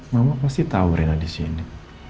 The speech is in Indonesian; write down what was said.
mama pasti tau rena disini